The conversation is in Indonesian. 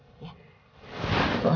bukan gue yang salah